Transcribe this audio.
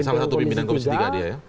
salah satu pimpinan komisi tiga dia ya